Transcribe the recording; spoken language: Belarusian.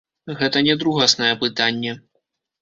Гэта не другаснае пытанне.